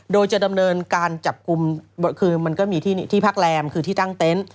โดยจะดำเนินการจับกลุ่มคือมันก็มีที่พักแรมคือที่ตั้งเต็นต์